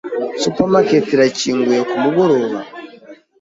Supermarket irakinguye kumugoroba?